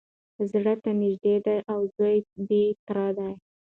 زړه ته نیژدې دی او زوی د تره دی